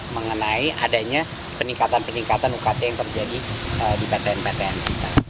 mengenai adanya peningkatan peningkatan ukt yang terjadi di ptn ptn kita